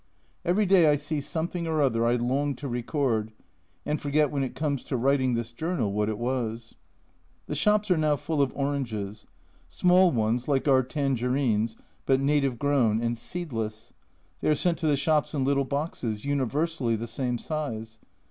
Every day I see something or other I long to record, and forget when it comes to writing this journal what it was. The shops are now full of oranges. Small ones, like our "Tangerines," but native grown, and A Journal from Japan 97 seedless. They are sent to the shops in little boxes, universally the same size.